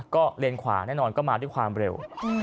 ก็เลนขวาแน่นอนก็มาด้วยความเร็ว